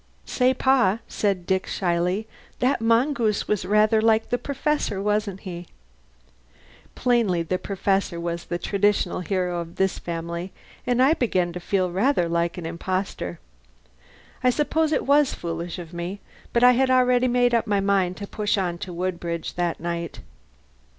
"Say, Pa," said Dick shyly, "that mongoose was rather like Professor, wasn't he!" Plainly the Professor was the traditional hero of this family, and I began to feel rather like an impostor! I suppose it was foolish of me, but I had already made up my mind to push on to Woodbridge that night.